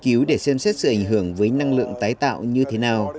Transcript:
nghiên cứu để xem xét sự ảnh hưởng với năng lượng tái tạo như thế nào